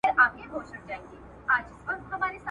چي پردۍ فتوا وي هېره محتسب وي تښتېدلی `